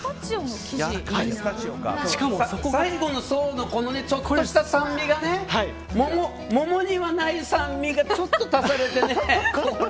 最後の層のちょっとした酸味が桃にはない酸味がちょっと足されてね。